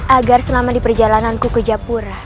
agar selama di perjalananku ke japura